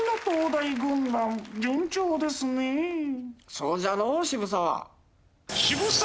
そうじゃのう渋沢。